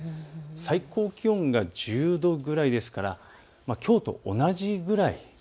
最高気温が１０度ぐらいですからきょうと同じぐらい。